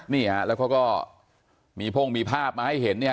เนี่ยแล้วก็มีพวกมีภาพมาให้เห็นเนี่ย